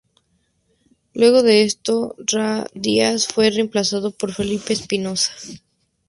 Luego de esto Ra Díaz fue remplazado por Felipe Espinoza.